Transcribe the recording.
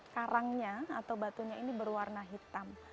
karangnya atau batunya ini berwarna hitam